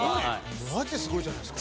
マジですごいじゃないですか。